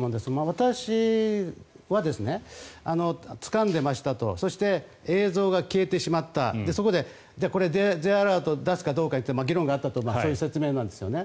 私はつかんでましたとそして、映像が消えてしまったそこでこれ、Ｊアラートを出すかどうかって議論があったという説明なんですね。